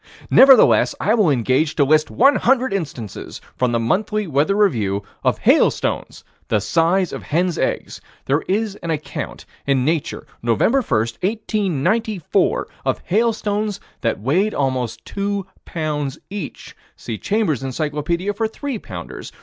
Nevertheless I will engage to list one hundred instances, from the Monthly Weather Review, of hailstones the size of hens' eggs. There is an account in Nature, Nov. 1, 1894, of hailstones that weighed almost two pounds each. See Chambers' Encyclopedia for three pounders.